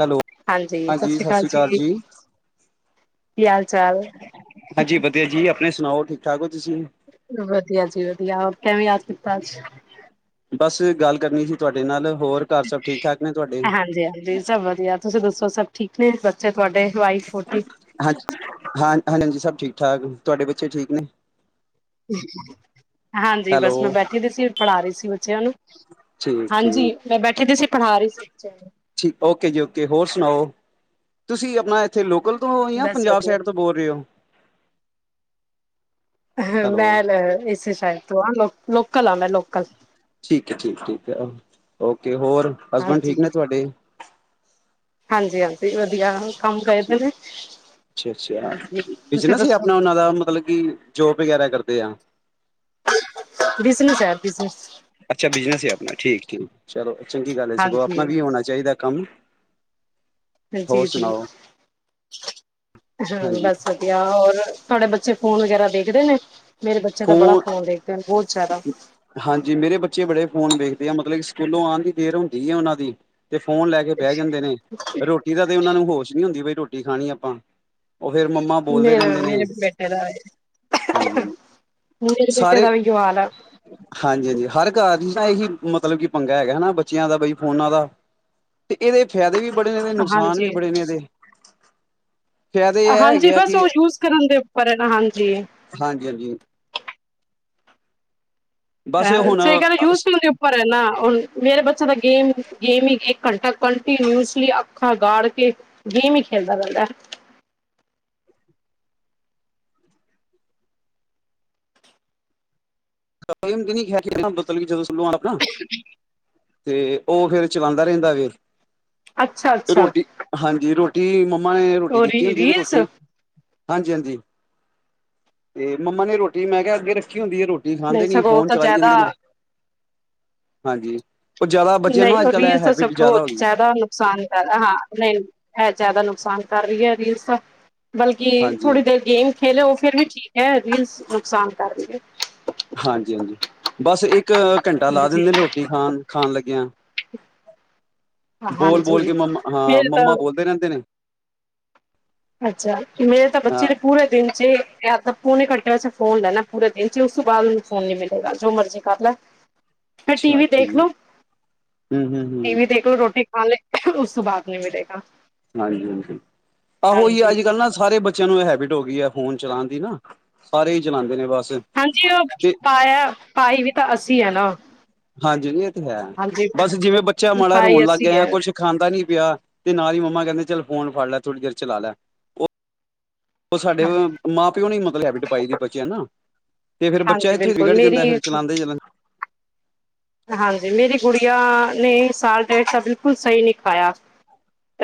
Hello ਹਾਂਜੀ ਸਤਿ ਸ੍ਰੀ ਅਕਾਲ ਜੀ ਕੀ ਹਾਲ ਚਾਲ? ਹਾਂਜੀ ਵਧਆ ਜੀ ਆਪਣੇ ਸੁਣਾਓ ਠੀਕ ਠਾਕ ਹੋ ਤੁਸੀਂ ਵਧੀਆ ਜੀ ਵਧੀਆ ਕਿਵੇਂ ਯਾਦ ਕੀਤਾ ਅੱਜ ਬਸ ਗੱਲ ਕਰਨੀ ਸੀ ਤੁਹਾਡੇ ਨਾਲ ਹੋਰ ਘਰ ਸਭ ਠੀਕ ਠਾਕ ਨੇ ਤੁਹਾਡੇ ਹਾਂਜੀ ਹਾਂਜੀ ਸਭ ਵਧੀਆ ਤੁਸੀਂ ਦੱਸੋ ਸਭ ਠੀਕ ਨੇ ਬੱਚੇ ਤੁਹਾਡੇ ਵਾਈੋਟੀ ਹਾਂਜੀ ਹਾਂ ਹਾਂਾਂਜੀ ਸਭ ਠੀਕ ਠਾਕ ਤੁਹਾਡੇ ਬੱਚੇ ਠੀਕ ਨੇ ਹਾਂਜੀ ਹੈਲੋ ਬਸ ਮੈਂ ਬੈਠੀ ਰ ਸੀ ਪੜ੍ਹਾ ਰਹੀ ਸੀ ਬੱਚਿਆਂ ਨੂੰ ਠੀਕ ਹਾਂਜੀ ਠੀਕ ਮੈਂ ਬੈਠੀ ਦੀ ਸੀ ਪੜ੍ਹਾ ਰਹੀ ਸੀ ਬੱਚ ਠੀਕ ਓਕੇ ਜੀ ਓਕੇ ਹੋਰ ਸੁਣਾਓ ਤੁਸੀਂ ਆਪਣਾ ਇੱਥੇ ਲੋਕਲ ਤੋਂ ਜਾਂ ਬਸ ਪੰਜਾਬ ਵਧੀਆ ਸਾਈਡ ਤੋਂ ਬੋਰਓ ਮੈਂ ਇਸੇ ਸ਼ਾਇਦ ਤੋਂ ਆ ਲੋਕਲ ਆ ਮੈਂ ਲੋਕਲ ਠੀਕ ਹੈ ਠੀਕ ਠੀਕ ਹੈ ਓਕੇ ਹੋਰ ਹਸਬੈਂਡ ਠੀਕ ਨੇ ਤੁਹਾਡੇ ਹਾਂਜੀ ਹਾਂਜੀ ਵਧੀਆ ਕੰਮ ਗਏ ਦੇ ਨੇ ਅਛਾ- ਅਛਾ ਹਾਂਜੀ, ਵਿਚ ਤੁਸੀਂ ਨਾ ਸੀ ਦੱਸੋ? ਆਪਣਾ ਉਹਨਾ ਦਾ ਮਤਲਬ ਜੋਬ ਵਗੈਰਾ ਕਰਦੇ ਆ ਬਿਜਨਸ ਹੈ ਬਿਜਨਸ ਅਛਾ ਬਿਜਨਸ ਹੈ। ਆਪਣਾ ਠੀਕ- ਠੀਕ ਚਲੋ ਚਗੀ ਗਲ ਹੈ। ਸਗੋ ਆਪਣਾ ਹਾਂਜੀ, ਵੀ ਹੋਣਾ ਚਾਹੀਦਾ ਕਮ ਹੋਰ ਜੀ-ਜੀ। ਸੁਣਾਓ ਹਾਂ ਹਾਂਜੀ ਬਸ ਵਧੀਆ ਹੋਰ ਤੁਹਾਡੇ ਬੱਚੇ ਫੋਨ ਵਗੈਰਾ ਦੇਖਦੇ ਨੇ ਮੇਰੇ ਬੱਚਿਆਂ ਤਾਂ ਬੜਾ ਫੋਨ ਫ਼ੋਨ ਦੇਖਦੇ ਹਨ ਬਹੁਤ ਜ਼ਿਆਦਾ ਹਾਂਜੀ ਮੇਰੇ ਬੱਚੇ ਬੜੇ ਫ਼ੋਨ ਵੇਖਦੇ ਆ ਮਤਲਬ ਕਿ ਸਕੂਲੋ ਆਉਣ ਦੀ ਦੇਰ ਹੁੰਦੀ ਹੈ। ਉਹਨਾਂ ਦੀ ਤੇ ਫੋਨ ਲੈ ਕੇ ਬਹਿ ਜਾਂਦੇ ਨੇ ਰੋਟੀ ਦਾ ਤੇ ਉਹਨਾ ਨੂੰ ਹੋਸ਼ ਨ ਹੁੰਦੀ ਬਈ ਰੋਟੀ ਖਾਣੀ ਆਪਾ ਉਹ ਫੇਿਰ ਮੰਮਾ ਬੋਲਦੇ ਮੇਰੇ ਰਹਿੰਦੇ ਨੇ ਮੇਰੇ ਹਾਂਜੀ ਰੇ ਪਠੇ ਸਾਰੇ ਦਾ ਵੀਗੀ ਆਾਲ ਹਾਂਜੀ ਹਾਂਜੀ ਹਰ ਘਰ ਦੀ ਨਾ ਇਹੀ ਮਤਲਬ ਕੀ ਪੰਗਾ ਹੈਗਾ ਹਨਾ ਬੱਚਿਆਂ ਦਾ ਬਈ ਫੋਨਾਂ ਦਾ ਤੇ ਇਹਦੇ ਫਾਇਦੇ ਵੀ ਬੜੇ ਨੇ ਇਹਦੇ ਨੁਕਸਾਨ ਵੀ ਹਾਂਜੀ ਬੜੇ ਨੇ ਇਹਦੇ ਫਾਇਦੇ ਇਹ ਹਾਂਜੀ ਹੈਗੇ ਆ ਬਸ ਕਿ ਉਹ ਯੂਜ ਕਰਨ ਦੇ ਉਪਰ ਹੈ। ਨਾ ਹਾਂਜੀ ਹਾਂਜੀ- ਹਾਂਜੀ ਬਸ ਇਹਦਾ ਹੁਣ ਯੂਜ਼ ਪਰ ਹੈ। ਨਾ ਮੇਰੇ ਬੱਚੇ ਦਾ ਗੇਮ ਗੇਮਿਗ ਇਕ ਘਂਟਾ ਕੰਟੀਨਿਸਲੀ ਅੱਖਾਂ ਗਾੜ ਕੇ ਗੇਮ ਹੀ ਖੇਲਦਾ ਰਹਿੰਦਾ ਕਿ ਨ ਬਤਲ ਜਦੋ ਸੁ ਆਪਣਾ ਤੇ ਉਹ ਫੇਰ ਚਲਾਉਦਾ ਰਹਿਦਾ ਫਿਰ ਅਛਾ- ਅਛਾ ਹਾਂਜੀ ਰੋਟੀ ਮੰਮਾ ਨੇ ਰੋਟੀ ਰੀ ਦਿਤੀ ਹੁਦੀ ਤੇ ਰੀਲਸ ਰੋਟੀ ਹਾਂਜੀ ਹਾਂਜੀ ਅਤੇ ਮੰਮਾ ਨੇ ਰੋਟੀ ਮੈ ਕਿਹਾ ਅਗੇ ਰਖੀ ਹੁੰਦੀ ਹੈ। ਰੋਟੀ ਤੇ ਨਹੀਂ ਖਾਂਦੇ ਨੀ ਸਗੋਂ ਉਹ ਫੋਨ ਤਾਂ ਚਲਾਈ ਜਾਦੇ ਜ਼ਿਆਦਾ ਨੇ ਹਾਂਜੀ ਉਹ ਜ਼ਿਆਦਾ ਬੱਚਿਆਂ ਨੂੰ ਅੱਜ ਨਹੀਔਰ ਕੱਲ੍ਹ ਇਹ ਤਾਂ ਸਭ ਹੈਬਿਟ ਬਹੁਤ ਹੋ ਗਈ ਜ਼ਿਆਦਾ ਨੁਕਸਾਨ ਹਾਂ ਨਹੀਂ ਇਹ ਜ਼ਿਆਦਾ ਨੁਕਸਾਨ ਕਰ ਰਹੀ ਹੈ। ਰੀਲ ਦਾ ਬਲਕਿ ਹਾਂਜੀ ਥੋੜ੍ਹੀ ਹਾਂਜੀ ਦੇਰ ਗੇਮ ਖੇਲੇ ਉਹ ਫੇਰ ਵੀ ਠੀਕ ਹੈ। ਰੀਲ ਨੁਕਸਾਨ ਕਰ ਹੈ। ਹਾਂਜੀ ਹਾਂਜੀ ਬਸ ਇੱਕ ਘੰਟਾ ਲਾ ਦਿਦੇ ਨੇ ਰੋਟੀ ਖਾਣ- ਖਾਣ ਲਗਿਆ [unintelligible] ਬੋਲ ਬੋਲ ਕੇ ਮੰਮਾ ਹਾਂ ਮੰਮਾ ਬੋਲਦੇ ਰਹਿਦੇ ਨੇ ਅਛਾ ਮੇਰੇ ਤਾਂ ਬੱਚੇ ਹਾਂ ਨੇ ਪੂਰੇ ਦਿਨ 'ਚ ਘਟਿਆਂ 'ਚ ਫੋਨ ਲੈਣਾ ਪੂਰੇ ਦਿਨ 'ਚ ਉਸ ਤੋਂ ਬਾਅਦ ਨੂੰ ਫੋਨ ਨੀ ਮਿਲੇਗਾ ਜੋ ਮਰਜ਼ੀ ਕਰ ਲੈ ਫਿਰ ਟੀ ਅੱਛਾ ਵੀ ਠੀਕ ਦੇਖ ਲੋ ਹਮ ਹਮ ਟੀ ਹਮ ਵੀ ਦੇਖ ਰੋਟੀ ਖਾ ਲ ਉਸ ਤੋਂ ਬਾਅਦ ਨਹੀ ਮਿਲੇਗਾ ਹਾਂਜੀ ਹਾਂਜੀ ਆ ਉ ਹੀ ਹਾਂਜੀ ਅਜ ਕਲ ਨਾ ਸਾਰੇ ਬੱਚਿਆਂ ਨੂੰ ਇਹ ਹੈਬਿਟ ਹੋ ਗਈ ਹੈ। ਫੋਨ ਚਲਾਉਣ ਦੀ ਨਾ ਸਾਰੇ ਹੀ ਚਲਾਉਦੇ ਨੇ ਬਸ ਹਾਂਜੀ ਉਹ ਤੇ ਪਾਇਆ ਪਾਈ ਵੀ ਤਾਂ ਅਸੀਂ ਹੈ ਨਾ ਹਾਂਜੀ ਜੀ ਇਹ ਤੇ ਹੈ। ਹਾਂਜੀ ਬਸ ਜਿਵੇ ਬੱਚਾ ਮਾੜਾ ਸਫ਼ਾਈ ਰੋਣ ਲਗ ਅੱਸੀਂ ਗਿਆ ਹੈ। ਕੁਛ ਖਾਂਦਾ ਨੀ ਪਿਆ ਤੇ ਨਾਲ ਹੀ ਮੰਮਾ ਕਹਿਦੇ ਚਲ ਫੋਨ ਫੜ ਲੈ ਥੋੜ੍ਹੀ ਦੇਰ ਚਲਾ ਲੈ ਉਹ ਸਾਡੇ ਮਾਂ ਪਿਓ ਨੇ ਮਤਲਬ ਹੈਬਿਟ ਪਾਈ ਦੀ ਬਚੇ ਨਾ ਤੇ ਫੇਰ ਇੱਥੋਂ ਹਾਂਜੀ ਹੀ ਬੱਚਾ ਬਿਲਕੁਲ ਵਿਗੜ ਮੇਰੀ ਜਾਂਦਾ ਫੋਨ ਚਲਾਂਦੇ ਚਲਾਂਦੇ ਹਾਂਜੀ ਮੇਰੀ ਗੁੜੀਆਂ ਨੇ ਸਾਲ ਡੇਟ ਦਾ ਬਿਲਕੁਲ ਸਹੀ ਨਹੀ ਖਾਇਆ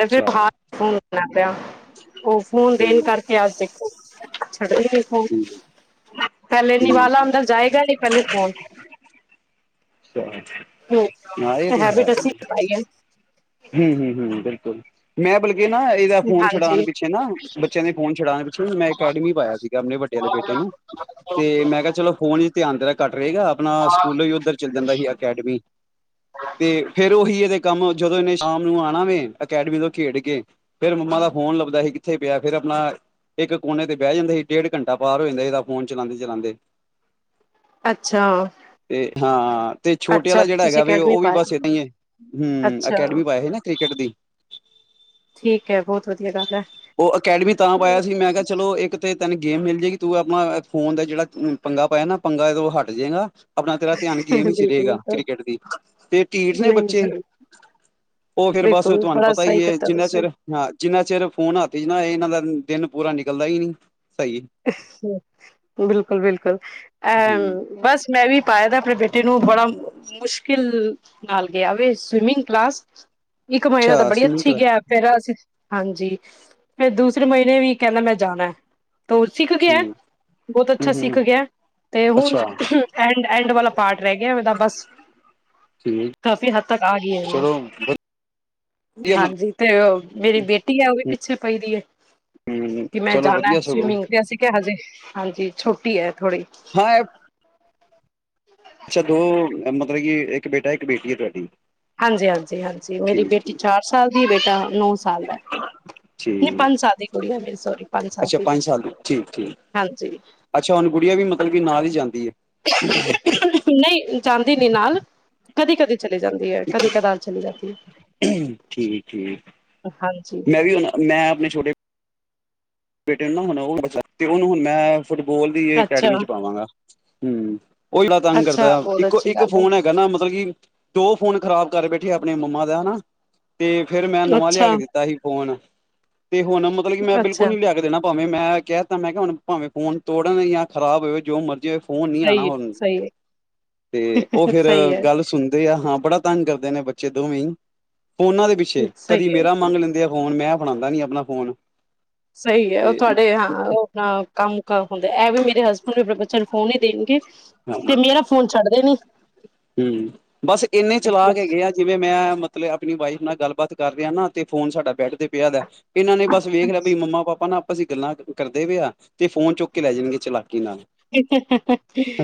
ਅੱਛਾ ਉਹ ਫ਼ੋਨ ਦੇਣ ਠੀਕ ਕਰਕੇ ਅਜ ਦੇਖੋ ਛਡਦੀ ਨਹੀਂ ਫੋਨ ਠੀਕ ਪਹਿਲਾ ਨਿਵਾਲਾ ਠੀਕ ਜਾਏਗਾ ਨਹੀਂ ਅੰਦਰ ਨਾਲ ਹੀ ਫੋਨ ਨਾਲੇ ਇਹ ਤੇ ਹੈ। ਹੈਬਿਟ ਅਸੀਂ ਹੀ- ਪਾਈ ਹੈ ਹੂ- ਹੂ- ਹੂ ਬਿਲਕੁਲ ਮੈਂ ਬਲ ਇਹ ਨਾ, ਇਹਦਾ ਫੋਨ ਛਡਾਉਣ ਹਾਂਜੀ ਪਿੱਛੇ ਨਾ ਬੱਚਿਆਂ ਦੇ ਫੋਨ ਛੁਡਾਉਣ ਪਿੱਛੇ ਨਾ, ਮੈਂ ਅਕੈਡਮੀ ਪਾਇਆ ਸੀਗਾ ਆਪਣੇ ਵੱਡੇ ਆਲੇ ਬੇਟੇ ਨੂੰ। ਤੇ ਮੈਂ ਕਿਹਾ, ਚਲੋ ਫੋਨ ਧਿਆਨ ਤੇਰਾ ਘੱਟ ਰਹੇਗਾ, ਆਪਣਾ ਸਕੂਲ ਹੀ ਉੱਧਰ ਚੱਲ ਜਾਂਦਾ ਸੀ ਅਕੈਡਮੀ, ਤੇ ਫੇਰ ਉਹੀ ਇਹਦੇ ਕੰਮ, ਜਦੋਂ ਇਹਨੇ ਸ਼ਾਮ ਨੂੰ ਆਉਣਾ ਵੈ ਅਕੈਡਮੀ ਤੋਂ ਖੇਡ ਕੇ ਫੇਰ ਮੰਮਾ ਦਾ ਫ਼ੋਨ ਲੱਭਦਾ ਸੀ, ਕਿੱਥੇ ਪਿਆ ਫੇਰ ਆਪਣਾ ਇੱਕ ਕੋਨੇ ਤੇ ਬਹਿ ਜਾਂਦਾ ਸੀ ਡੇਢ ਘੰਟਾ ਪਾਰ ਹੋ ਜਾਂਦਾ ਸੀ ਫੋਨ ਚਲਾਉਦੇ-ਚਲਾਉਦੇ ਅੱਛਾ ਤੇ ਹਾਂ, ਤੇ ਛੋਟੇ ਅੱਛਾ ਵਾਲਾ ਫਿਰ ਜਿਹੜਾ ਤੁਸੀਂ ਹੈਗਾ ਵੈ, ਅਕੈਡਮੀ ਉਹ ਵੀ ਪਾਇਆ ਬਸ ਏਦਾਂ ਹੀ ਹੈ, ਹੂੰ ਅੱਛਾ ਅਕੈਡਮੀ। ਪੇਹੇ ਨਾ ਕ੍ਰਿਕਟ ਦੀ, ਠੀਕ ਹੈ, ਬਹੁਤ ਵਧੀਆ ਗੱਲ ਹੈ। ਉਹ ਅਕੈਡਮੀ ਤਾਂ ਪਾਇਆ ਸੀ, ਮੈਂ ਕਿਹਾ ਚਲੋ ਇੱਕ ਤੇ ਤੈਨੂੰ ਗੇਮ ਮਿਲ ਜਾਏਗੀ, ਤੂੰ ਆਪਣਾ ਫੋਨ ਦਾ ਜਿਹੜਾ ਪੰਗਾ ਪਾਇਆ ਨਾ ਪੰਗਾ ਹਟ ਜਾਏਗਾ ਆਪਣਾ ਤੇਰਾ ਧਿਆਨ ਗੇਮ ਹੀ ਚ ਬਿਲਕੁਲ ਰਹੇਗਾ ਕ੍ਰਿਕਟ ਦੀ ਪਰ ਢੀਠ ਨੇ ਨਹੀਂ ਬੱਚੇ ਜ਼ਰੂਰ ਉਹ ਫੇਰ ਬਸ ਬਿਲਕੁਲ ਤੁਹਾਨੂੰ ਬੜਾ ਪਤਾ ਸਹੀ ਹੀ ਕੀਤਾ ਜਿਨਾ ਤੁਸੀਂ ਚਿਰ- ਹਾਂ ਜਿਨਾ ਚਿਰ ਫੋਨ ਆ ਤੇ ਨਾ ਇਹਨਾਂ ਦਾ ਦਿਨ ਪੂਰਾ ਨਿਕਲਦਾ ਹੀ ਨੀ ਸਹੀ ਬਿਲਕੁਲ- ਬਿਲਕੁਲ ਹਮ ਅਹ ਬਸ ਮੈ ਵੀ ਪਾਇਆ ਦਾ ਆਪਣੇ ਬੇਟੇ ਨੂੰ ਬੜਾ ਮੁਸ਼ਕਿਲ ਨਾਲ ਗਿਆ ਵੇਂ, ਸਵੀਮਿੰਗ ਕਲਾਸ ਇੱਕ ਮਹੀਨਾ ਤਾਂ ਅੱਛਾ ਬੜੀ ਸਵਿਮਿੰਗ ਅੱਛੀ ਕਲਾ ਗਿਆ। ਫੇਰ ਅਸੀਂ, ਹਾਂਜੀ ਫਿਰ ਦੂਸਰੇ ਮਹੀਨੇ ਵੀ ਕਹਿੰਦਾ ਮੈਂ ਜਾਣਾ। ਸਿੱਖ ਗਿਆ, ਠੀਕ ਬਹੁਤ ਹਮ ਅੱਛਾ ਹਮ ਸਿੱਖ ਗਿਆ। ਤੇ ਹੁਣ ਅੱਛਾ ਐਂਡ-ਐਂਡ ਵਾਲਾ ਪਾਰਟ ਰਹਿ ਗਿਆ ਉਹਦਾ ਬਸ। ਠੀਕ ਕਾਫੀ ਹੱਦ ਤੱਕ ਆ ਗਈ ਹੈ ਇਹਨੂੰ, ਚਲੋ ਵਧੀਆ ਹਮ ਹਾਂਜੀ। ਤੇ ਉਹ ਮੇਰੀ ਬੇਟੀ ਹੈ, ਉਹ ਵੀ ਪਿੱਛੇ ਪੈਂਦੀ ਹੈ ਕਿ ਮੈਂ ਚਲੋ ਜਾਣਾ। ਵਧੀਆ ਸਗੋਂ ਸਵਿਮਿੰਗ ਅਸੀਂ ਕਿਹਾ ਹਜੇ ਹਾਂਜੀ ਛੋਟੀ ਹੈ, ਥੋੜੀ [unintelligible] ਅੱਛਾ ਦੋ, ਮਤਲਬ ਕਿ ਇੱਕ ਬੇਟਾ ਇੱਕ ਬੇਟੀ ਹੈ ਤੁਹਾਡੀ। ਹਾਂਜੀ-ਹਾਂਜੀ-ਹਾਂਜੀ, ਮੇਰੀ ਠੀਕ ਬੇਟੀ ਠੀਕ ਚਾਰ ਸਾਲ ਦੀ ਬੇਟਾ ਨੌ ਸਾਲ ਦਾ। ਠੀਕ ਨਹੀਂ ਪੰਜ ਸਾਲ ਦੀ ਕੁੜੀ ਆਂ ਮੇਰੀ, ਸੋਰੀ ਪੰਜ ਸਾਲ ਅੱਛਾ ਦੀ, ਪੰਜ ਸਾਲ ਠੀਕ ਠੀਕ ਹਾਂਜੀ। ਅੱਛਾ, ਹੁਣ ਗੁੜੀਆ ਵੀ ਮਤਲਬ ਕੀ ਨਾਂਲ ਦੀ ਜਾਂਦੀ ਏ। ਨਹੀਂ ਜਾਂਦੀ ਨੀ ਨਾਲ ਕਦੀ-ਕਦੀ। ਚਲੀ ਜਾਂਦੀ ਹੈ, ਕਦੀ ਕਦਾਰ ਚਲੀ ਜਾਂਦੀ ਹੈ, ਠੀਕ ਠੀਕ ਹਾਂਜੀ ਮੈਂ ਵੀ ਹੁਣ, ਮੈਂ ਆਪਣੇ ਛੋਟੇ ਬੇਟੇ ਨੂੰ ਨਾ ਹੁਣ ਉਹ ਤੇ ਉਹਨੂੰ ਹੁਣ ਮੈਂ ਫੁੱਟਬੋਲ ਦੀ ਅੱਛਾ ਅਕੈਡਮੀ ਚ ਪਾਵਾਂਗਾ, ਹੂੰ ਉਹ ਜਾਦਾ ਤੰਗ ਅੱਛਾ ਕਰਦਾ, ਬਹੁਤ ਅੱਛੀ ਇੱਕੋ-ਇੱਕ ਗੱਲ ਫੋਨ ਹੈ। ਗਾਨਾ ਮਤਲਬ ਕਿ, ਦੋ ਫੋਨ ਖਰਾਬ ਕਰ ਬੈਠੇ ਆ ਆਪਣੇ ਮੰਮਾ ਦਾ ਨਾ, ਤੇ ਫਿਰ ਮੈਂ ਹੈ ਨਵਾਂ ਲਿਆ ਅੱਛਾ ਕੇ ਦਿੱਤਾ ਸੀ ਫੋਨ, ਤੇ ਹੁਣ ਮਤਲਬ ਕਿ ਮੈਂ ਬਿਲਕੁਲ ਅੱਛਾ ਨੀ ਲਿਆ ਕੇ ਦੇਣਾ ਭਾਵੇਂ ਮੈਂ, ਕਹਿ ਦਿੱਤਾ ਮੈਂ ਕਿਹਾ ਹੁਣ ਭਾਵੇਂ ਫੋਨ ਤੋੜਨ ਜਾਂ ਖਰਾਬ ਹੋਵੇ ਜੋ ਮਰਜ਼ੀ ਹੋਵੇ। ਫੋਨ ਨੀ ਆਉਣਾ ਸਹੀ ਹੈ ਹੁਣ, ਸਹੀ ਤੇ ਉਹ ਹੈ ਫਿਰ ਸਹੀ ਹੈ ਗੱਲ ਸੁਣ ਦੇ ਆ ਹਾਂ ਬੜਾ ਤੰਗ ਕਰਦੇ ਨੇ ਬੱਚੇ ਦੋਵੇਂ, ਫੋਨਾਂ ਦੇ ਪਿੱਛੇ ਸਹੀ ਕਦੀ ਹੈ ਮੇਰਾ ਮੰਗ ਲੈਂਦੇ ਆ। ਫੋਨ ਮੈਂ ਫੜਾਦਾ ਨੀ ਆਪਣਾ ਫੋਨ ਸਹੀ ਹੈ, ਉਹ ਤੇ ਤੁਹਾਡੇ ਹਾਂ, ਉਹ ਹ ਕੰਮ ਕ ਹੁੰਦੇ ਇਹ ਵੀ ਮੇਰੇ ਹਸਬੈਂਡ ਹੁਣ ਵੀ ਆਪਣੇ ਬੱਚਿਆਂ ਨੂੰ ਫੋਨ ਨਹੀਂ ਦੇਣਗੇ, ਤੇ ਮੇਰਾ ਫੋਨ ਛੱਡਦੇ ਨੀ। ਹੂੰ, ਬਸ ਇੰਨੇ ਬਿਲਕੁਲ ਚਲਾਕ ਹੈਗੇ ਆ। ਜਿਵੇਂ ਮੈਂ, ਮਤਲਬ ਆਪਣੀ ਵਾਈਫ ਨਾਲ ਗੱਲਬਾਤ ਕਰ ਰਿਹਾ, ਨਾ ਤੇ ਫੋਨ ਸਾਡਾ ਬੈਡ ਤੇ ਪਿਆ ਦਾ। ਇਹਨਾਂ ਨੇ ਬਸ ਵੇਖ ਲਿਆ, ਬਈ ਮੰਮਾ ਪਾਪਾ ਨਾ ਆਪਸ ਚ ਗੱਲਾਂ ਕਰਦੇ ਪਏ ਆ, ਤੇ ਫੋਨ ਚੁੱਕ ਕੇ ਲੈ ਜਾਣਗੇ ਚਲਾ ਕੀ ਨਾਲ,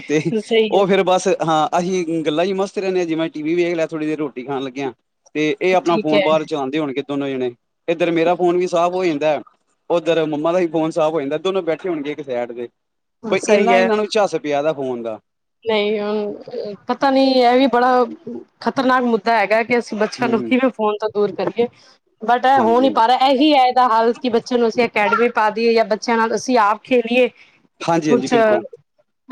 ਤੇ ਸਹੀ ਹੈ ਉਹ ਫਿਰ ਬਸ ਹਾਂ। ਅਸੀਂ ਗੱਲਾਂ ਚ ਹੀ ਮਸਤ ਰਹਿਣੇ ਹਾਂ, ਜਿਵੇ ਟੀ ਵੀ ਵੇਖ ਲਿਆ ਥੋੜੀ ਦੇਰ ਰੋਟੀ ਖਾਣ ਲੱਗਿਆ। ਤੇ ਇਹ ਆਪਣਾ ਠੀਕ ਫੋਨ ਹੈ ਬਾਹਰ ਚਲਾਉਂਦੇ ਹੋਣਗੇ ਦੋਨੋ ਜਾਣੇ, ਇੱਧਰ ਮੇਰਾ ਫੋਨ ਵੀ ਸਾਫ਼ ਹੋ ਜਾਂਦਾ ਹੈ। ਉਧਰ ਮੰਮਾ ਦਾ ਵੀ ਫੋਨ ਸਾਫ ਹੋ ਜਾਂਦਾ, ਦੋਨੋ ਬੈਠੇ ਹੋਣਗੇ ਇਕ ਸੇਡ ਤੇ, ਬ, ਸਹੀ ਇਨਾ ਹੈ ਇਹਨਾਂ ਨੂੰ ਝੱਸ ਪਿਆ ਇਹਦਾ ਫੋਨ ਦਾ, ਨਹੀਂ ਹੁਣ ਪਤਾ ਨਹੀਂ ਇਹ ਵੀ ਬੜਾ ਖ਼ਤਰਨਾਕ, ਹੈਗਾ ਕਿ ਅਸੀਂ ਬੱਚਿਆਂ ਹੂੰ ਨੂੰ ਹੂੰ ਕਿਵੇਂ ਫੋਨ ਤੋਂ ਦੂਰ ਕਰੀਏ, ਬਟ ਇਹ ਹੋ ਹਾਂਜੀ ਨਹੀਂ ਹਾਂਜੀ ਪਾ ਰਿਹਾ। ਇਹੀ ਹੈ, ਇਹਦਾ ਹੱਲ ਕਿ ਬੱਚਿਆਂ ਨੂੰ ਅਸੀਂ ਅਕੈਡਮੀ ਪਾ ਦਈਏ, ਜਾਂ ਬੱਚਿਆਂ ਨਾਲ ਅਸੀਂ ਆਪ ਖੇਲੀਏ। ਹਾਂਜੀ ਹਾਂਜੀ ਕੁਛ ਬਿਲਕੁਲ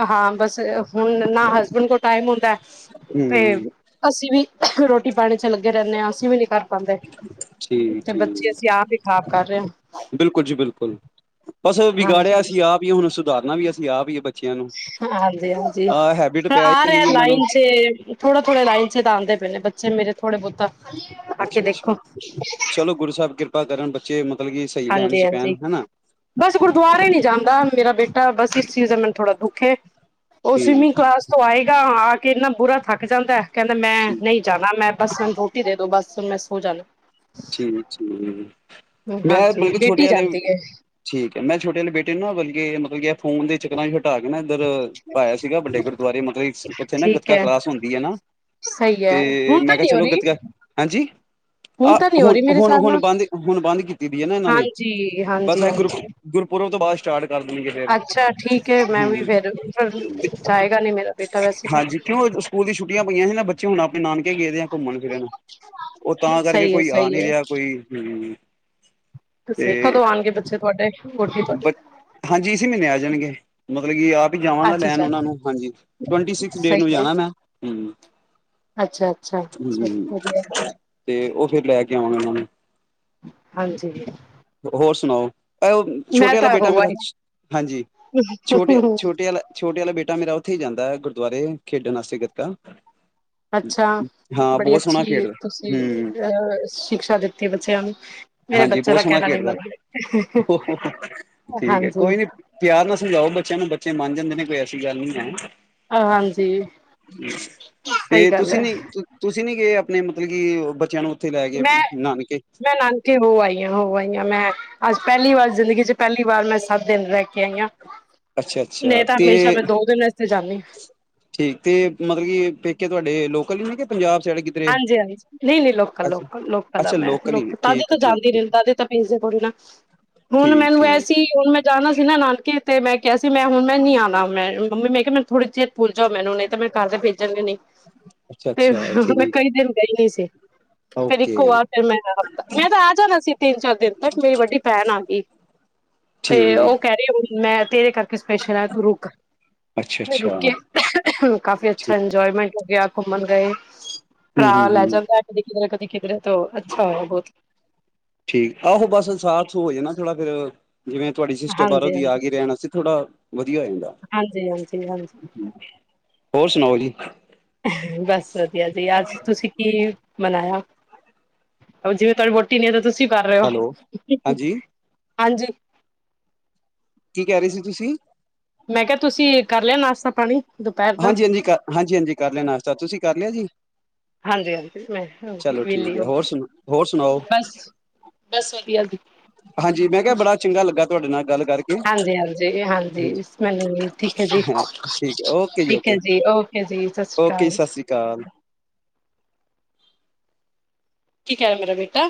ਹਾਂ ਬਸ ਹੁਣ ਨਾ ਹਸਬੈਂਡ ਕੋ ਟਾਈਮ ਹੁਦਾ ਤੇ ਹੂੰ ਅਸੀ ਵੀ ਰੋਟੀ ਪਾਣੀ 'ਚ ਲਗੇ ਰਹਿਦੇ ਹਾਂ, ਅਸੀ ਵੀ ਨੀ ਕਰ ਪਾਦੇ ਠੀਕ ਉਥੇ ਬੱਚੇ ਠੀਕ ਅਸੀ ਆਪ ਹੀ ਖਰਾਬ ਕਰ ਰਹੇ ਹਾਂ ਬਿਲਕੁਲ ਜੀ ਬਿਲਕੁਲ ਬਸ ਵਿਗਾੜਿਆ ਹਾਂਜੀ ਅਸੀ ਆਪ ਹੀਏ ਹੁਣ ਸੁਧਾਰਨਾ ਵੀ ਅਸੀ ਆਪ ਹੀਏ ਹਾਂਜੀ- ਹਾਂਜੀ ਹ ਪੈ ਆ ਹੀ ਰਿਹਾ ਗਈ ਇਹਨਾਂ ਨੂੰ ਲਾਈਨ 'ਚ ਥੋੜੇ- ਥੋੜੇ ਲਾਈਨ 'ਚ ਤਾਂ ਆਉਦੇ ਪਏਦੇ ਬੱਚੇ ਮੇਰੇ ਥੋੜੇ ਬਹੁਤਾ ਆ ਕੇ ਦੇਖੋ ਗੁਰ ਸਾਹਿਬ ਕਿਰਪਾ ਕਰਨ ਬ ਮਤਲਬ ਕੀ ਹਾਂਜੀ-ਹਾਂਜੀ। ਬਸ ਗੁਰਦੁਆਰੇ ਹੀ ਨਹੀਂ ਜਾਦਾ, ਮੇਰਾ ਬੇਟਾ ਬਸ ਇਸ ਚੀਜ਼ ਦਾ ਮੈਨੂੰ ਥੋੜਾ ਦੁੱਖ ਉਹ ਠੀਕ ਸਵੀਮਿੰਗ ਕਲਾਸ ਤੋ ਆਏਗਾ, ਆ ਕੇ ਇਨਾ ਬੁਰਾ ਥਕ ਜਾਦਾ ਕਹਿਦਾ ਮੈ ਠੀਕ ਨਹੀ ਜਾਣਾ ਮੈਂ ਬਸਨੂੰ ਰੋਟੀ ਦੇ ਦੋ ਬਸ ਮੈ ਸੋ ਜਾਣਾ ਠੀਕ-ਠੀਕ ਮੈ ਹਾਂਜੀ ਬਲਕਿ ਬੇਟੀ ਛੋਟੇਆਂ ਨੇ ਜਾਂਦੀ ਹੈ ਠੀਕ ਹੈ, ਮੈ ਛੋਟੇ ਵਾਲੇ ਬੇਟੇ ਨੂੰ ਨਾ ਬਲਿਕੇ ਮਤਲਬ ਕਿ ਫੋਨ ਦੇ ਚਕਰਾਂ ਵੀ ਹਟਾ ਕੇ ਨਾ ਇਧਰ ਪਾਇਆ ਸੀਗਾ ਵਡੇ ਗੁਰਦੁਆਰੇ ਮਤਲਬ ਉਥੇ ਨਾ ਠੀਕ ਗਤਕਾ ਹੈ ਕਲਾਸ ਹੁਦੀ ਹੈ, ਨਾ ਸਹੀ ਹੈ ਤੇ ਹੁਣ ਮੈ ਤਾਂ ਕਿਹਾ ਨੀ ਹੋ ਚਲੋ ਰਹੀ ਗਤਕਾ ਹਾਂਜੀ ਹੁਣ ਆਹ ਤਾਂ ਨੀ ਹੋ ਰਹੀ ਮੇਰੇ ਹੁਣ ਹਿਸਾਬ ਹੁਣ ਨਾਲ ਬੰਦ ਹੁਣ ਬੰਦ ਕੀਤੀ ਦੀ ਹੈ ਨਾ ਇਹਨਾਂ ਨੇ ਹਾਂਜੀ- ਬਸ ਹਾਂਜੀ- ਇਹ ਗੁਰ ਹਾਂਜੀ ਗੁਰਪੁਰਬ ਤੋਂ ਬਾਅਦ ਸਟਾਰਟ ਕਰ ਦੇਣਗੇ ਫੇਰ ਅਛਾ ਠੀਕ ਹੈ। ਮੈ ਵੀ ਹਮ ਫੇਰ ਫ ਤੇ ਜਾਏਗਾ ਨੀ ਮੇਰਾ ਬੇਟਾ ਵੈਸੇ ਤਾਂ ਹਾਂਜੀ ਕਿਉਂ ਸਕੂਲ ਦੀ ਛੁਟੀਆਂ ਪਈਆਂ ਸੀ ਨਾ ਬੱਚੇ ਹੁਣ ਆਪਣੇ ਨਾਨਕੇ ਗਏਦੇ ਆ ਘੁੰਮਣ ਫਿਰਨ ਉਹ ਤਾਂ ਕਰਕੇ ਸਹੀ ਹੈ ਕੋਈ ਆ ਸਹੀ ਨਹੀਂ ਹੈ ਰਿਹਾ ਕੋਈ ਹੂ ਕਦੋ ਆਉਣਗੇ ਬੱਚੇ ਤੁਹਾਡੇ ਗ ਤੁੇ ਬ ਹਾਂਜੀ ਇਸ ਮਹੀਨੇ ਆ ਜਾਣਗੇ ਮਤਲਬ ਕਿ ਆਪ ਹੀ ਜਾਵਾਗਾ ਲੈਣ ਅੱਛਾ ਉਹਨਾ ਨੂੰ ਅੱਛਾ ਹਾਂਜੀ ਟਵੰਟੀ ਸਿਕਸ ਡੇ ਨੂੰ ਸਹੀ ਹੈ ਜਾਣਾ ਐ, ਮੈਂ। ਅੱਛਾ ਅੱਛਾ ਹੂੰ ਵਧੀਆ [unintelligible] ਤੇ ਉਹ ਫਿਰ ਲੈ ਕੇ ਆਉਣੇ ਉਹਨਾਂ ਨੇ ਹਾਂਜੀ ਹੋਰ ਸੁਣਾਓ ਉਹ ਮੈਂ ਛੋਟੇ ਵਾਲਾ ਤਾਂ ਬੇਟਾ ਹੋ ਮੇਰਾ ਆਈ ਹਾਂਜੀ ਛੋਟੇ- ਛੋਟੇ ਵਾਲਾ ਛੋਟੇ ਵਾਲਾ ਬੇਟਾ ਮੇਰਾ ਉਥੇ ਹੀ ਜਾਂਦਾ ਹੈ। ਗੁਰਦੁਆਰੇ ਖੇਡਣ ਵਾਸਤੇ ਗਤਕਾ ਅਛਾ ਬੜੀ ਸੋਹਣਾ ਅਛੀ ਖੇਡਦਾ ਤੁਸੀ ਹੂੰ ਅਹ ਸ਼ਿਕਸ਼ਾ ਦਿਤੀ ਬੱਚਿਆਂ ਨੂੰ ਮੇਰੇ ਬੱਚੇ ਦਾ ਗਤਕਾ ਕਹਿਣਾ ਨਹੀਂ ਖੇਡਦਾ ਮੰਨਦੇ ਠੀਕ ਹੈ ਹਾਂਜੀ ਕੋਈ ਨੀ ਪਿਆਰ ਨਾਲ ਸਮਝਾਓ ਬੱਚਿਆਂ ਨੂੰ ਬੱਚੇ ਮੰਨ ਜਾਦੇ ਨੇ ਕੋਈ ਐਸੀ ਗੱਲ ਨਹੀ ਹੈ। ਹਾਂਜੀ ਸਹੀ ਤੇ ਗੱਲ ਤੁਸੀ ਹੈ ਨੀ- ਤੁਸੀ ਨੀ ਗ ਆਪਣੇ ਮਤਲਬ ਕਿ ਬੱਚਿਆ ਨੂੰ ਉੱਥੇ ਲੈ ਕੇ ਮੈ- ਨਾਨਕੇ ਮੈ ਨਾਨਕੇ ਹੋ ਆਈ ਹਾਂ ਹੋ ਆਈ ਹਾਂ ਮੈ ਅਜ ਪਹਿਲੀ ਵਾਰ ਜ਼ਿਦਗੀ 'ਚ ਪਹਿਲੀ ਵਾਰ ਮੈਂ ਸੱਤ ਦਿਨ ਰਹਿ ਕੇ ਆਈ ਹਾਂ ਅੱਛਾ ਨਹੀ ਅੱਛਾ ਤਾਂ ਤੇ ਹਮੇਸ਼ਾ ਮੈ ਦੋ ਦਿਨ ਇਸੇ ਜਾਦੀ ਠੀਕ ਤੇ ਮਤਲਬ ਕਿ ਪੇਕੇ ਤੁਹਾਡੇ ਲੋਕਲ ਹੀ ਨੇ ਕਿ ਪੰਜਾਬ ਸਾਈਡ ਕਿਧਰੇ ਹਾਂਜੀ- ਹਾਂਜੀ- ਨਹੀ- ਨਹੀ ਲੋਕਲ- ਅੱਛਾ ਲੋਕਲ- ਲੋਕਲ ਆ ਅੱਛਾ ਮੈ ਹੀ ਨੇ ਲੋਕ ਤਦੇ ਠੀਕ ਹੈ ਤਾਂ ਠੀਕ ਜਾਦੀ ਠੀਕ ਰਹਿਦੀ ਤਾਂਦੇ, ਮੈ ਜਾਦੀ ਨਹੀ ਹੁਣ ਠੀਕ ਮੈਨੂੰ ਇਹ ਠੀਕ ਸੀ ਹੁਣ ਮੈਂ ਜਾਣਾ ਸੀ ਨਾ ਨਾਨਕੇ ਤੇ ਮੈ ਕਿਹਾ ਸੀ ਮੈ ਹੁਣ ਮੈ ਨੀ ਆਣਾ ਮੈ ਮੰਮੀ ਮੈਂ ਕਿਹਾ ਮੈਂ ਥੋੜ੍ਹੀ ਚਿਰ ਭੁੱਲ ਜਾਓ ਮੈਨੂੰ ਨਹੀ ਤੇ ਮੇਰੇ ਘਰ ਦੇ ਭੇਜਣਗੇ ਨਹੀ ਅੱਛਾ ਅੱਛਾ ਮੈ ਕਈ ਠੀਕ ਦਿਨ ਗਈ ਨਹੀ ਸੀ। ਫੇਰ ਇਕ ਓਕੇ ਹੋ ਆ ਫਿਰ ਮੈ ਮੈ ਤਾਂ ਆ ਜਾਣਾ ਸੀ ਤਿਨ ਚਾਰ ਦਿਨ ਤੱਕ ਮੇਰੀ ਵਡੀ ਭੈਣ ਆ ਗਈ। ਤੇ ਠੀਕ ਉਹ ਕਹਿ ਰਹੇ ਹੁਣ ਮੈ ਤੇਰੇ ਕਰਕੇ ਸਪੈਸ਼ਲ ਆਈ ਤੂੰ ਰੁਕ ਫਿਰ ਅੱਛਾ-ਅੱਛਾ ਰੁਕ ਕਾਫੀ ਅਛਾ ਠੀਕ ਇੰਜੋਇਮੈਟ ਹੋ ਗਿਆ ਘੁੰਮਣ ਗਏ। ਭਰਾ ਲੈ ਹੂੰ-ਹੂੰ-ਹੂੰ ਜਾਂਲਦਾ ਹੈ। ਕਦੇ ਕਿਧਰੇ ਕਦੇ ਕਿਧਰੇ ਤੋਂ ਅੱਛਾ ਹੋਇ ਬਹੁਤ ਠੀਕ ਆਹੋ ਬਸ ਸਾਥ ਹੋ ਜਾਣਾ ਥੋੜਾ ਫੇਰ ਜਿਵੇਂ ਤੁਹਾਡੀ ਸਿਸਟਰ ਬਾਹਰੋਂ ਹਾਂਜੀ ਦੀ ਆ ਹਾਂਜੀ ਕੇ ਰਹਿਣ ਵਾਤੇ ਥੋੜਾ ਵਧੀਆ ਹੋਏਗਾ। ਹਾਂਜੀ। ਜੀ ਹਾਂਜੀ। ਹੋਰ ਸੁਣਾਓ ਜੀ। ਬਸ ਵਧੀਆ ਜੀ ਅੱਜ ਤੁਸੀਂ ਕੀ ਬਨਾਇਆ ਜਿਵੇਂ ਤੁਹਾਡੀ ਵੋਟੀ ਨੇ ਤਾਂ ਤੁਸੀਂ ਤੁਸੀਂ ਕਰ ਰਹੇ ਹੋ। ਹੈਲੋ ਹਾਂਜੀ। ਕੀ ਕਹਿ ਰਹੇ ਸੀ ਤੁਸੀਂ ਮੈਂ ਕਿਹਾ ਤੁਸੀਂ ਕਰ ਲਿਆ ਨਾਸ਼ਤਾ ਪਾਣੀ। ਦੁਪਹਿਰ ਦਾ ਹਾਂਜੀ-ਹਾਂਜੀ ਕਰ ਹਾਂਜੀ-ਹਾਂਜੀ ਕਰ ਲਿਆ ਨਾਸ਼ਤਾ ਤੁਸੀਂ ਕਰ ਲਿਆ ਜੀ। ਹਾਂਜੀ-ਹਾਂਜੀ ਮੈਂ ਚਲੋ ਠੀਕ ਵਿਹਲੀ ਹੈ ਹੋਰ ਹੋਗੀ ਸੁਣਾ ਹੋਰ ਸੁਣਾਓ ਬਸ ਬਸ ਵਧੀਆ ਜੀ। ਹਾਂਜੀ ਮੈਂ ਕਿਹਾ ਬੜਾ ਚੰਗਾ ਲੱਗਾ ਤੁਹਾਡੇ ਨਾਲ ਗਲ ਕਰਕੇ ਹਾਂਜੀ- ਹਾਂਜੀ- ਹਾਂਜੀ ਮੈਨੂੰ ਠੀਕ ਹੈ। ਜੀ- ਠੀਕ ਓਕੇ ਠੀਕ ਹੈ। ਓਕੇ ਜੀ ਓਕੇ ਜੀ ਸਤਿ ਸ੍ਰੀ ਓਕੇ ਜੀ ਅਕਾਲ ਸਤਿ ਸ੍ਰੀ ਅਕਾਲ ਕੀ ਕਹਿ ਮੇਰੇ ਬੇਟਾ